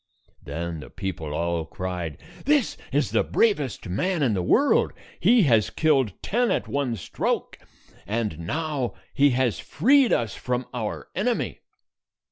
Then the people all cried, "This is the bravest man in the world. He has killed ten at one stroke, and now he has freed us from our enemy."